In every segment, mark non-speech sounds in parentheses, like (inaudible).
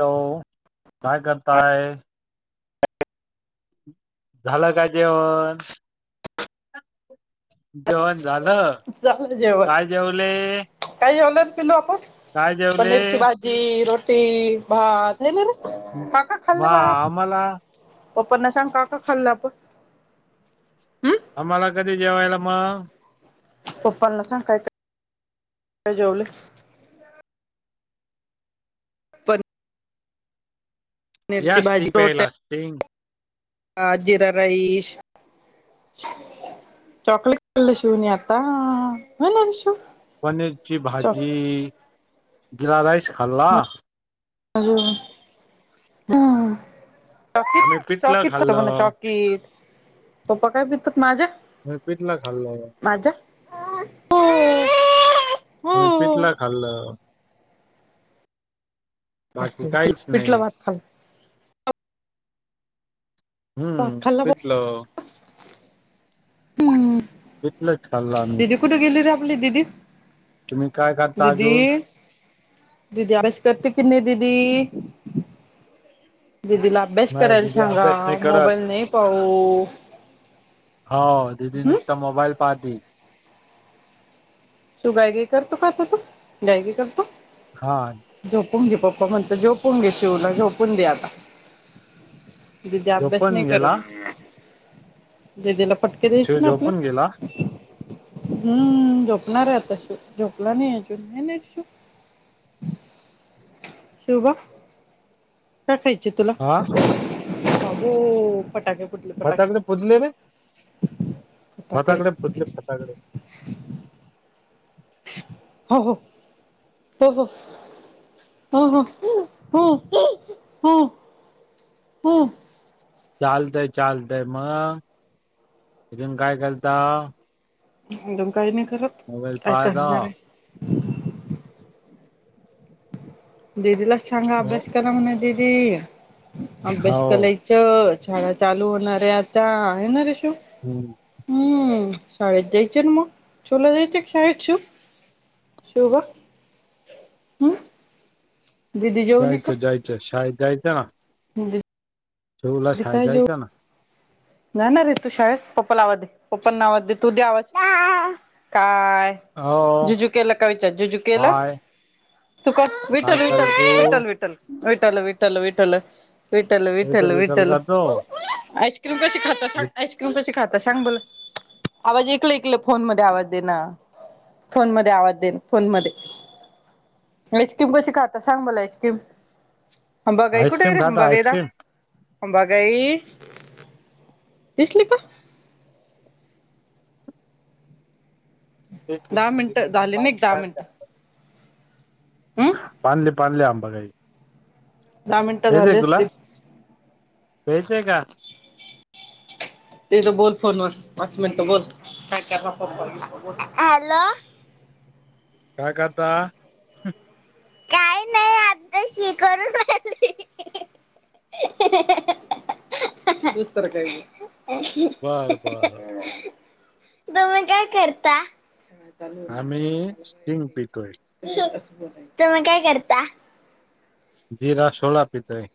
Hello काय करताय? झालं काय जेवण? जेवण झालं झालं जेवण काय जेवले? काय जेवलो पिल्लू आपण काय जेवले पनीरची भाजी, रोटी, भात म काय काय खाल्लं वा बाळा? आम्हाला पप्पांना सांग काय काय खाल्लं आपण हम्म. आम्हाला कधी जेवायला मग? पप्पां न सांग काय काय का जेवले? या पनीरची आईस्क्रीम प्यायला आईस्क्रीम. ह जिरा राईस चॉकलेट खाल्ल शिवनी आता हो ना रे शिवू. पनीरची भाजी जिरा राईस खाल्ला. ह हम्. चॉकी आम्ही पिठलं चॉकी त खाल्लं म्हण चॉकीत. पप्पा काय पितात माझे आम्ही पिठलं खाल्लं माझ्या. हम. (inaudible) आणि पिठलं खाल्ल. ह बाकी काहीच नाही पिठलं भात खाल्लं. भात हम्म खाला पिठलं बोल हम्म. पिठलं च खाल्लं आम्ही. कुठे गेली र आपली दिदी? तुम्ही काय खाल्लं? दिदी दिदी आश करत कि न‌ दिदी दिदी ला अभ्यास नाही करायला दिदी सांगा अभ्यास नाही करत मोबाईल नाही पाहू. हो दिदी हम्म नुकता मोबाईल पाहते. शिवु गाई गाई करतो काय आता तू गाई गाई करतो. हा. झोपून घे पप्पा म्हणत झोपून घे शिवला झोपून दे आता. दीदी अभ्यास झोपून नाही गेला करत दिदीला पटके द्यायचे शिव ना आपल्या झोपून गेला झोपणार आता शिवु झोपला नाहीच नाही शिशु. शिवबा. का खायचे तुला हा बाबो फटाके फटाके फोतले रे फटाकडे फटाकडया फुटल्या फटाकया हो हो. हो हो हो हो हो हो चालतय चालतय मग तथून काय करलत म काही नाही करत म मोबाईल काय फहाय द करणार आहे दिदीला सांगा अभ्यास कला म्हणे दीदी अभ्यास हो. केलाय च शाळा चालू होणारे आता आहेणार रे शू हम्म हम् शाळे जाईच मग चला जाईचे शाळेच शिवबा हां जायचं जायचं शाळद जायचं ना ह. शिवला शाळेत जायचा ना? नाही ना रे तू शाळेत पप्पा आवाज दे पप्पना आवाज दे तू द्या आवास काय हो झुजु केला काय विचार झुजु केला काय तू का काय विठल कर तू विठल विठल विठल विठल विठल विठल विठल विठल तर विठल करतो आईस्क्रीम कशी खाता सां आईस्क्रीम कशी खाता सांग बोला आवाज ऐकल ऐकलं फोन मध्ये आवाज दे ना फोन मध्ये आवाज देन फोन मध्ये आईस्क्रीम कशी खात सांग मला आईस्क्रीम हंबागाई कुठे आईस्क्रीम रे खाता हंबागयला आईस्क्रीम अंबाबाई दिसली का दहा मिनट झाले ना एक दहा मिनट पाधले पानले आंबा काही दहा मिनिटं फेच आहे झाली तुला असतील फेच का ते त बोल फोन व वाच मिनट बोल हॅलो काकात काही नाही आता शिकव विस्तर काळ बरं बरं तुम्ही काय करता ह आम्ही सिंग पिकोय तर मग काय करता जिरा सोळा पित आहे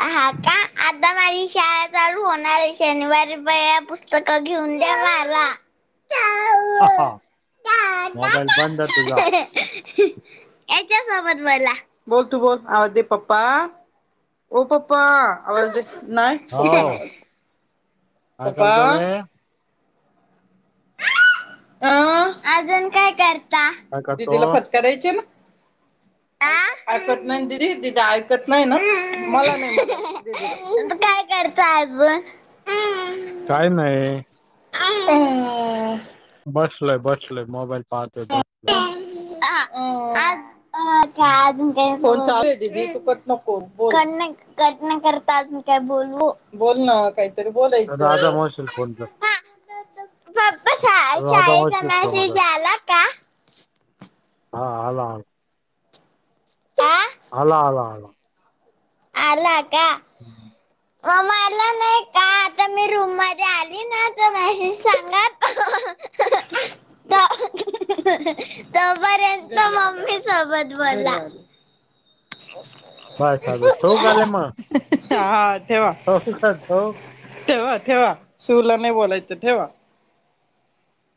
हा का आता माझी शाळा चालू होणार आहे शनिवारी प पुस्तक घेऊन द्या मला हा मोबाईल बंद आहे तुझा याच्या सबत वला बोल तू बोल आव दे पप्पा पप्पा आ नाय हो प्पा ना काय काल तोळे अं अजून काय करता काय करतो दिदीला फतकारायचे ना (inaudible) ऐकत नाही ददी ददी ऐकत नाही ना मला नाही करत अज काय नाही ह बसलय बसलय मोबाईल पाहतोय बसलेय हा फोन हम्म. चालू आहे दीदी फुकट नको हा बोल कटना करताजून काय बोलवू बोल ना काय तरी राधा बोलायचं मावशीला फोन कर हा पप्पा राधा शाळेचा मावशीला फोन मेसेज कर आला का हा आला हा आला आला आला अला का हम् मग मला नाही का आता मी रूम मध्ये आली ना तर मेसेज सांग त (inaudible) तपर्यंत मम्मी सोबत बोलला बस आता ठेवू का हा लै मग हा ठेवा ठेवू का ठेवू ठेवा ठेवा शूवला नाही बोलायचं ठेवा